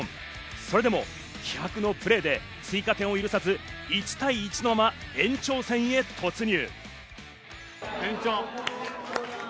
それでも気迫のプレーで追加点を許さず、１対１のまま、延長戦へ突入。